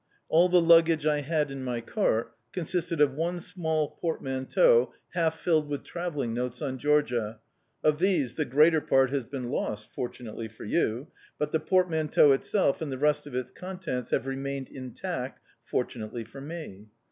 All the luggage I had in my cart consisted of one small portmanteau half filled with travelling notes on Georgia; of these the greater part has been lost, fortunately for you; but the portmanteau itself and the rest of its contents have remained intact, fortunately for me.